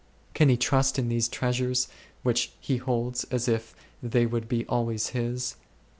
Can he trust in these treasures which he holds as if they would be always his